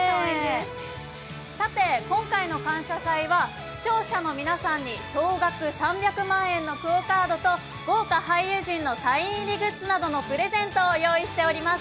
さて今回の「感謝祭」は視聴者の皆さんに総額３００万円のＱＵＯカードと豪華俳優陣のサイン入りグッズなどのプレゼントを用意しております。